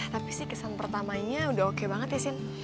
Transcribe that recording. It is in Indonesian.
tapi sih kesan pertamanya udah oke banget ya sin